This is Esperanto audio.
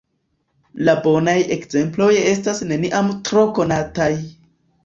La bonaj ekzemploj estas neniam tro konataj!